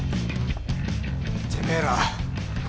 てめえら。